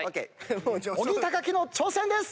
小木木の挑戦です！